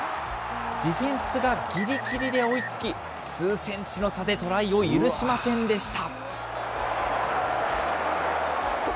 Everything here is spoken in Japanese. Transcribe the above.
ディフェンスがぎりぎりで追いつき、数センチの差でトライを許しませんでした。